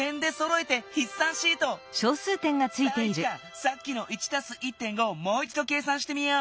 さっきの「１＋１．５」をもういちど計算してみよう。